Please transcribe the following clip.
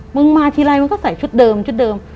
มึงมาทีไรมึงก็ใส่ชุดเดิมชุดเดิม